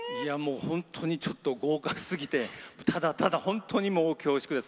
本当にちょっと豪華すぎてただただ本当に恐縮です。